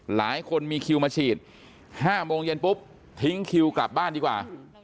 หลายคนมีคิวมาฉีด๕โมงเย็นปุ๊บทิ้งคิวกลับบ้านดีกว่า